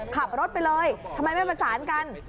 ขับรถไปเลยทำไมไม่ประสานกัน